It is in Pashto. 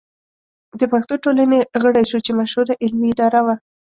د پښتو ټولنې غړی شو چې مشهوره علمي اداره وه.